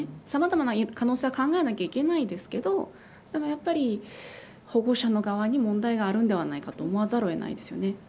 さまざまな可能性は考えなければいけないですけどだから、やっぱり保護者の側に問題があるんじゃないかと思わざるを得ないですね。